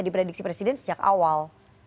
diprediksi presiden sejak awal